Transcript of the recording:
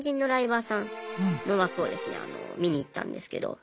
見に行ったんですけど